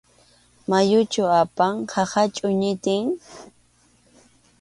¿Mayuchu apan?, ¿qaqachu ñitin?